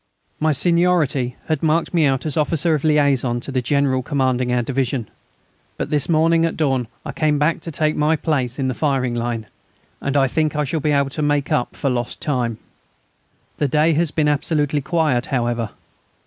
My seniority had marked me out as officer of liaison to the General commanding our division. But this morning at dawn I came back to take my place in the firing line, and I think I shall be able to make up for lost time. The day has been absolutely quiet, however.